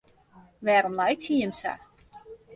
Wêrom laitsje jimme sa?